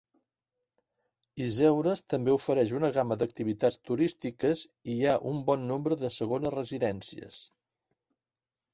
Yzeures també ofereix una gama d'activitats turístiques i hi ha un bon nombre de segones residències.